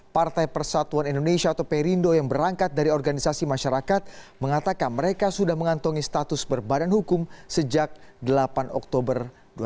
partai persatuan indonesia atau perindo yang berangkat dari organisasi masyarakat mengatakan mereka sudah mengantongi status berbadan hukum sejak delapan oktober dua ribu delapan belas